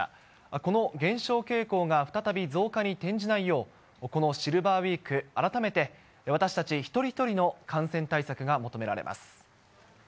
この減少傾向が再び増加に転じないよう、このシルバーウィーク、改めて私たち、一人一人の感染対策が求められます。